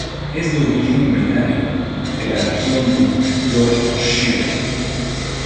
Es de origen británico, de la región de Yorkshire.